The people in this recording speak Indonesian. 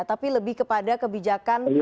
tapi lebih kepada kebijakan